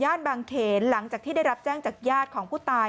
บางเขนหลังจากที่ได้รับแจ้งจากญาติของผู้ตาย